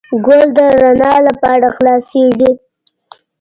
ګل د رڼا لپاره خلاصیږي.